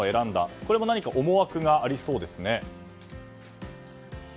これも何か思惑がありそうですね。